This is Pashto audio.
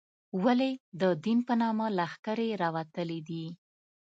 ولې د دین په نامه لښکرې راوتلې دي.